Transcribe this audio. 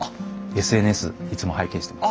ＳＮＳいつも拝見してます。